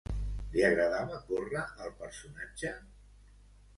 Li agradava córrer al personatge?